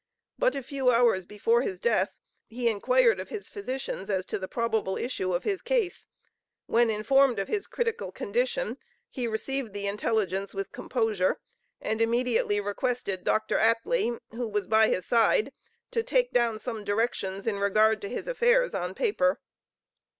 But a few hours before his death, he inquired of his physicians as to the probable issue of his case; when informed of his critical condition, he received the intelligence with composure, and immediately requested Dr. Atlee, who was by his side, to take down some directions in regard to his affairs, on paper.